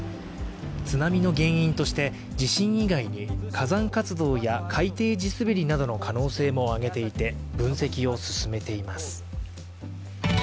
津波の原因として地震以外に火山活動や海底地滑りなどの可能性も挙げていて分析を進めています。